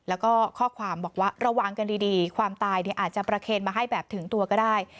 แล้วก็ข้อความบอกว่าระวังกันดีความตายอาจจะประเคนมาให้แบบถึงตัวก็ได้